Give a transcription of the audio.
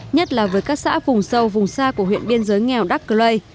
nhất là với các xã vùng sâu vùng xa của huyện biên giới nghèo đắk cơ lây